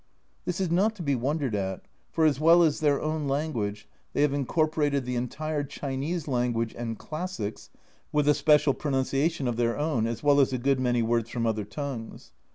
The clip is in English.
This is not to be wondered at, for, as well as their own language, they have incorporated the entire Chinese language and classics (with a special pronunciation of their own), as well as a good many words from other tongues.